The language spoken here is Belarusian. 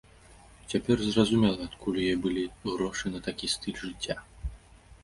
Цяпер зразумела, адкуль у яе былі грошы на такі стыль жыцця.